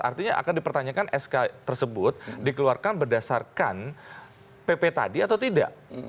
artinya akan dipertanyakan sk tersebut dikeluarkan berdasarkan pp tadi atau tidak